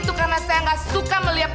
tengah insya allah